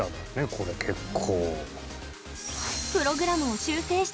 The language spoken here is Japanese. これ結構。